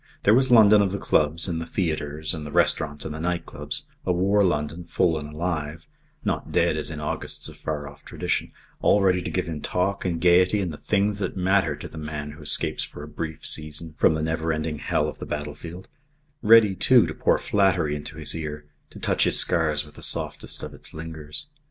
There was London of the clubs and the theatres and the restaurants and the night clubs, a war London full and alive, not dead as in Augusts of far off tradition, all ready to give him talk and gaiety and the things that matter to the man who escapes for a brief season from the never ending hell of the battlefield; ready, too, to pour flattery into his ear, to touch his scars with the softest of its fingers.